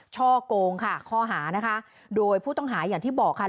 ช่อกงค่ะข้อหานะคะโดยผู้ต้องหาอย่างที่บอกค่ะ